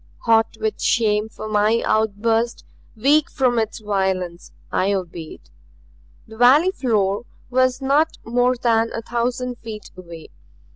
Hot with shame for my outburst, weak from its violence, I obeyed. The valley floor was not more than a thousand feet away.